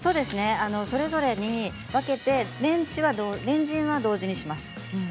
それぞれに分けてレンチンは同時にします。